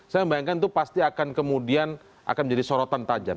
saya membayangkan itu pasti akan kemudian akan menjadi sorotan tajam